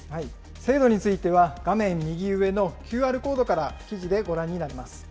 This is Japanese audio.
制度については画面右上のＱＲコードから記事でご覧になれます。